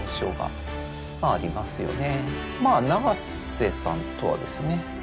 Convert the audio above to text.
永瀬さんとはですね